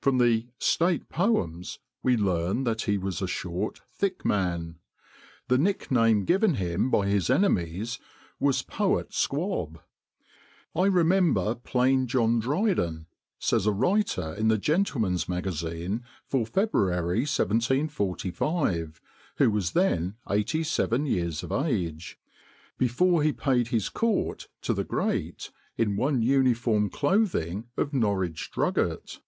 From the State Poems we learn that he was a short, thick man. The nickname given him by his enemies was Poet Squab. 'I remember plain John Dryden' (says a writer in the Gentleman's Magazine for February 1745, who was then eighty seven years of age) 'before he paid his court to the great, in one uniform clothing of Norwich drugget.